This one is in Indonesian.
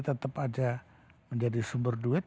tetap aja menjadi sumber duit